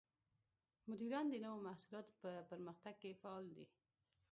مدیران د نوو محصولاتو په پرمختګ کې فعال دي.